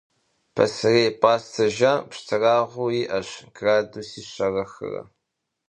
Пасэрей пӏастэ жьам пщтырагъыу иӏэщ градуси щэрэ хырэ.